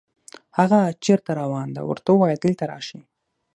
هاغه چېرته روان ده، ورته ووایه دلته راشي